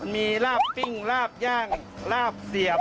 มีราปติ้งราปย่างราปเสียบ